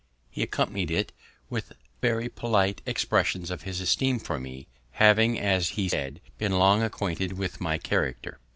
He accompanied it with very polite expressions of his esteem for me, having, as he said, been long acquainted with my character.